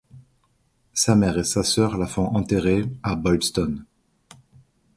Sa mère et sa sœur la font enterrer à Boylston.